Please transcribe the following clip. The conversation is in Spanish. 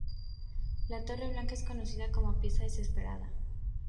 La torre blanca es conocida como pieza desesperada.